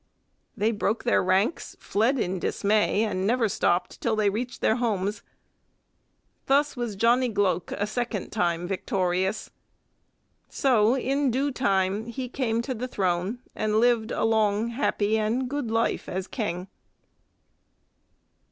They broke their ranks, fled in dismay, and never stopped till they reached their homes. Thus was Johnny Gloke a second time victorious. So in due time he came to the throne and lived a long, happy, and good life as king.